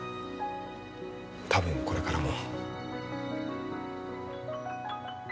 多分、これからも。